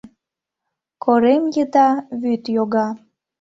Корем еда вӱд йога